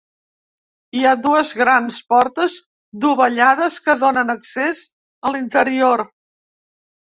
Hi ha dues grans portes dovellades que donen accés a l'interior.